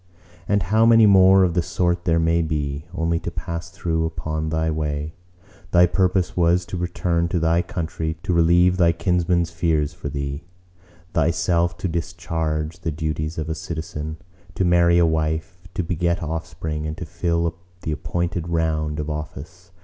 "And how many more of the sort there may be; only to pass through upon thy way! Thy purpose was to return to thy country; to relieve thy kinsmen's fears for thee; thyself to discharge the duties of a citizen; to marry a wife, to beget offspring, and to fill the appointed round of office.